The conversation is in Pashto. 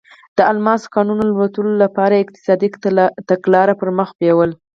د الماسو کانونو لوټلو لپاره یې اقتصادي تګلاره پر مخ بیوله.